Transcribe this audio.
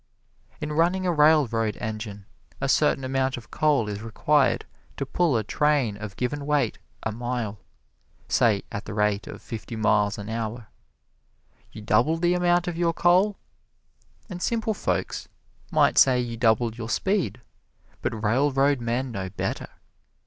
In running a railroad engine a certain amount of coal is required to pull a train of given weight a mile, say at the rate of fifty miles an hour. You double the amount of your coal, and simple folks might say you double your speed, but railroad men know better.